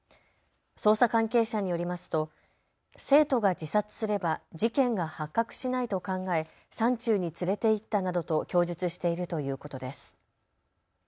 捜査関係者によりますと生徒が自殺すれば事件が発覚しないと考え山中に連れて行ったなどと供述しているということです。